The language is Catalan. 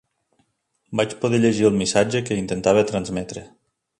Vaig poder llegir el missatge que intentava transmetre.